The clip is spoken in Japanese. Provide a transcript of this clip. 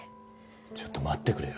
ちょっと待ってくれよ。